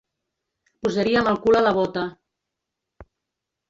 Posaríem el cul a la bóta.